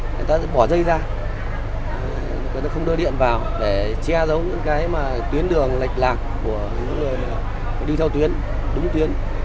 người ta bỏ dây ra người ta không đưa điện vào để che giấu những cái mà tuyến đường lệch lạc của những người đi theo tuyến đúng tuyến